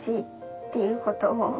っていうことを。